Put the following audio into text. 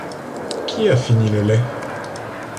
Qui a fini le lait ?